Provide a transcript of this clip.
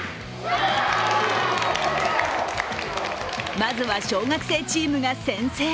まずは小学生チームが先制。